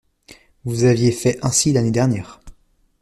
Vous aviez fait ainsi l’année dernière.